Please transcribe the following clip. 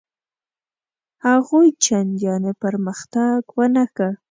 هغوی چنداني پرمختګ ونه کړ.